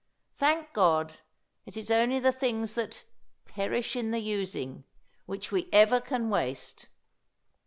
Thank God, it is only the things that "perish in the using" which we ever can waste!